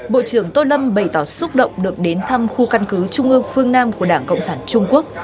bộ trưởng tô lâm bày tỏ xúc động được đến thăm khu căn cứ trung ương phương nam của đảng cộng sản trung quốc